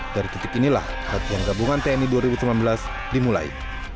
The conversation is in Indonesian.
dari titik inilah latihan gabungan tni dua ribu sembilan belas dimulai